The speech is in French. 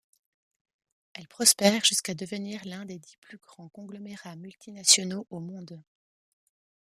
Elle prospère jusqu'à devenir l'un des dix plus grands conglomérats multinationaux au Monde.